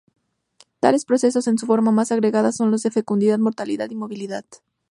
Tales procesos, en su forma más agregada, son los de fecundidad, mortalidad y movilidad.